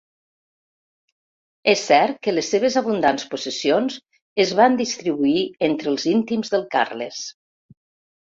És cert que les seves abundants possessions es van distribuir entre els íntims del Carles.